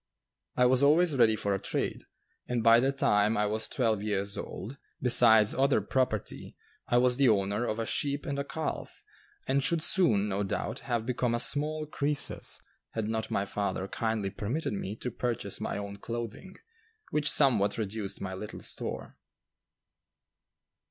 I was always ready for a trade, and by the time I was twelve years old, besides other property, I was the owner of a sheep and a calf, and should soon, no doubt, have become a small Crœsus, had not my father kindly permitted me to purchase my own clothing, which somewhat reduced my little store.